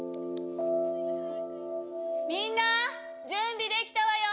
みんな準備できたわよ！